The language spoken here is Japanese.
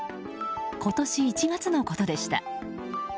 今年１月のことでした。